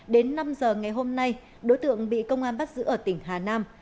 đến năm giờ ngày hôm nay đối tượng bị công an bắt giữ ở tỉnh hà nam